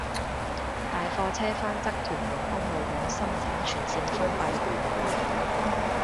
大貨車翻側屯門公路往深井全綫封閉